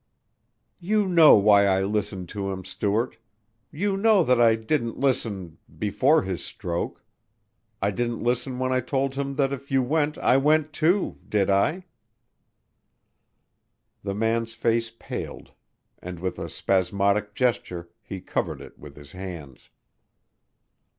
"You know why I listened to him, Stuart. You know that I didn't listen ... before his stroke. I didn't listen when I told him that if you went, I went, too, did I?" The man's face paled and with a spasmodic gesture he covered it with his hands.